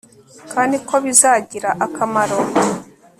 kandi ko bizagira akamaro